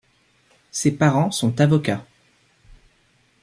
Ses parents sont avocats.